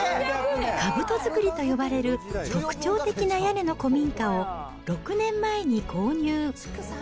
かぶとづくりと呼ばれる特徴的な屋根の古民家を６年前に購入。